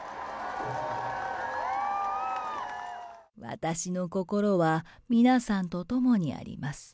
私の心は皆さんと共にあります。